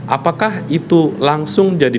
apakah itu langsung jadi